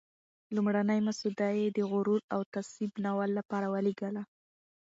لومړنی مسوده یې د "غرور او تعصب" ناول لپاره ولېږله.